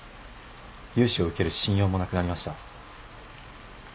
融資を受ける信用もなくなりました。